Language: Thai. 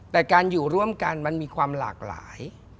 แต่การอยู่ร่วมกันมันมีความหลากหลาย